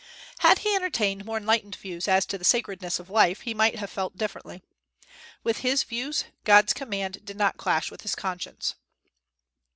Had he entertained more enlightened views as to the sacredness of life, he might have felt differently. With his views, God's command did not clash with his conscience.